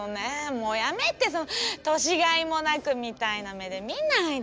もうやめて年がいもなくみたいな目で見ないで。